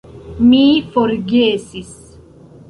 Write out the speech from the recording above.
Mi forgesis